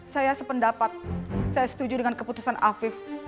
saya sependapat saya setuju dengan keputusan afif